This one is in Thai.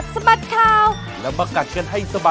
สวัสดีค่ะ